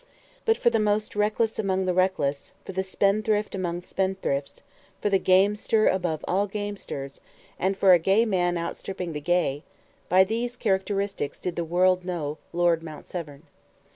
But for the most reckless among the reckless, for the spendthrift among spendthrifts, for the gamester above all gamesters, and for a gay man outstripping the gay by these characteristics did the world know Lord Mount Severn.